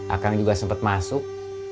akang juga sempet masuk